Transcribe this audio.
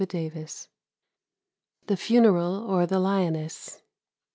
FABLE CLVII. THE FUNERAL OF THE LIONESS.